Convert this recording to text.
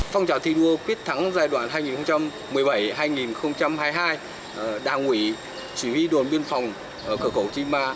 phong trào thi đua quyết thắng giai đoạn hai nghìn một mươi bảy hai nghìn hai mươi hai đảng ủy chỉ huy đồn biên phòng cửa khẩu chima